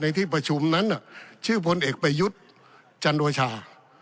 ที่ประชุมนั้นชื่อพลเอกประยุทธ์จันโอชา